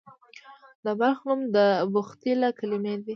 د بلخ نوم د بخدي له کلمې دی